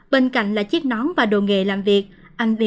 bên cạnh là chiếc nón và đồn